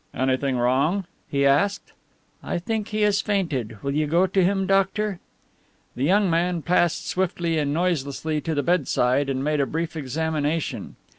"Anything wrong?" he asked. "I think he has fainted will you go to him, doctor?" The young man passed swiftly and noiselessly to the bedside and made a brief examination.